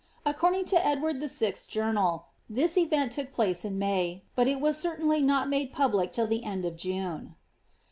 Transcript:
Ac cording to Edward Vl.^s journal, this etent took place in 3Iay, hot it was certainly not made public till the end of June.